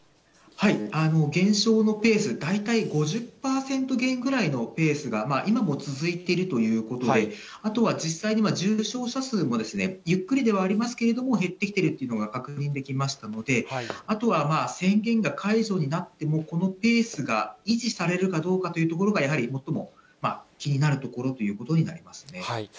減少のペース、大体５０％減ぐらいのペースが今も続いているということで、あとは実際に重症者数もゆっくりではありますけれども、減ってきてるというのが確認できましたので、あとは宣言が解除になってもこのペースが維持されるかどうかというところが、やはり最も気になるところということになりますね。